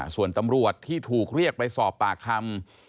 ส่วนตำรวจที่ถูกเรียกไปสอบปากคำ